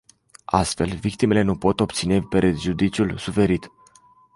Astfel, victimele nu pot obține prejudiciul suferit.